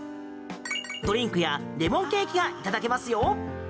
ドリンクやレモンケーキがいただけますよ。